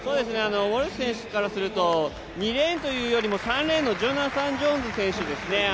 ウォルシュ選手からすると２レーンというよりも３レーンのジョナサン・ジョーンズ選手ですね。